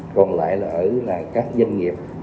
còn lại là ở các doanh nghiệp